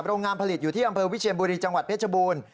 โรงงานผลิตอยู่ที่อำเภอวิเชียนบุรีจังหวัดเพชรบูรณ์